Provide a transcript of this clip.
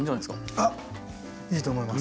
あっいいと思います。